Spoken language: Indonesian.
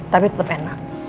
tapi tetap enak